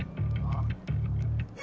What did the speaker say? あっ！